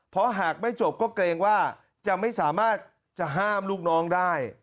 เพราะหากไม่จบก็เกรงว่าจะไม่สามารถจะห้ามลูกน้องได้